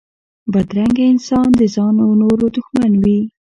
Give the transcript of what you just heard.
بدرنګه انسان د ځان و نورو دښمن وي